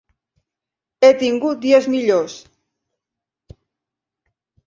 He tingut dies millors